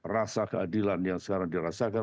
rasa keadilan yang sekarang dirasakan